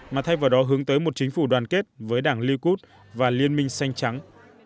mà thay vào đó hướng tới một chính phủ đoàn kết với đảng likud và liên minh xanh trắng